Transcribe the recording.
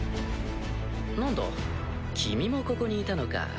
なんだ君もここにいたのか。